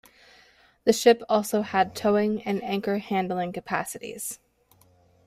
The ship also had towing and anchor handling capacities.